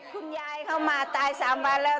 คุณยายเข้ามาตาย๓วันแล้ว